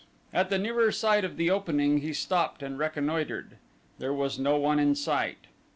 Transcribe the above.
At the nearer side of the opening he stopped and reconnoitered. There was no one in sight.